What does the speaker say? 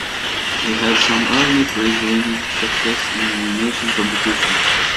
He had some early prize-winning successes in animation competitions.